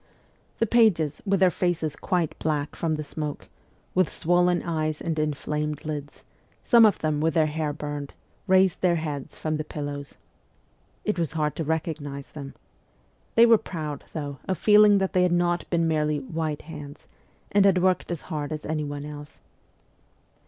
The pages, with their faces quite black from the smoke, with swollen eyes and inflamed lids, some of them with their hair burned, raised their heads from the pillows. It was hard to recognise them. They were proud, though, of feeling that they had not been merely ' white hands,' and had worked as hard as anyone else.